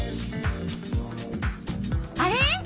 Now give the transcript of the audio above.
あれ？